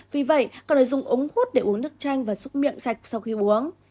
vì vậy có thể dùng ống hút để uống nước chanh và xúc miệng sạch sau khi uống